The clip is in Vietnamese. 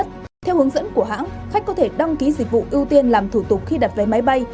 theo hướng dẫn của hãng khách có thể đăng ký dịch vụ ưu tiên làm thủ tục khi đặt vé máy bay